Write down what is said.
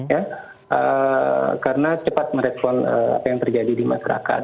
ya karena cepat merespon apa yang terjadi di masyarakat